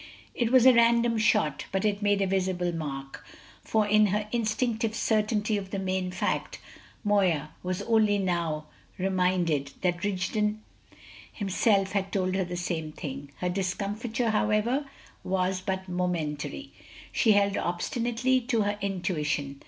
It was a random shot, but it made a visible mark, for in her instinctive certainty of the main fact Moya was only now reminded that Rigden himself had told her the same thing. Her discomfiture, however, was but momentary; she held obstinately to her intuition.